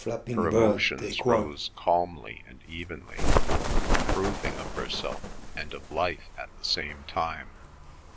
Her emotions rose calmly and evenly, approving of herself and of life at the same time.